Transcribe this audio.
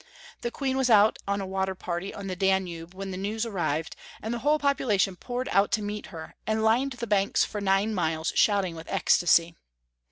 The Queen was out on a water party on the Danube when the news arrived, and the whole population poured out to meet her, and lined the banks for nine miles, shouting with ecstacy.